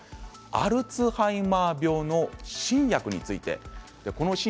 アルツハイマー病の新薬についてです。